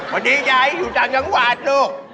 พอดียายอยู่จากจังหวัดนู้ก